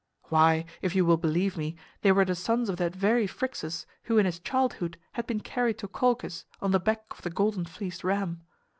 Why, if you will believe me, they were the sons of that very Phrixus, who in his childhood had been carried to Colchis on the back of the golden fleeced ram.